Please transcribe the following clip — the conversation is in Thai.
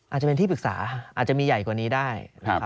อาจจะมีใหญ่กว่านี้ได้